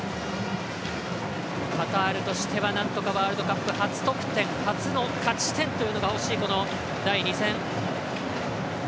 カタールとしてはなんとかワールドカップ初得点、初の勝ち点というのが欲しい、第２戦。